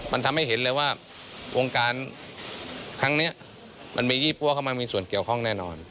มันทำให้เห็นเลยว่าวงการครั้งนี้มันมียี่ปั้วเข้ามามีส่วนเกี่ยวข้องแน่นอน